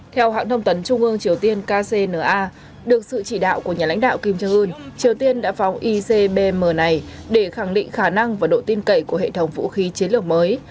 theo hãng thông tấn trung ương triều tiên kcna được sự chỉ đạo của nhà lãnh đạo kim jong un triều tiên đã phóng icbm này để khẳng định khả năng và độ tin cậy của hệ thống vũ khí chiến lược mới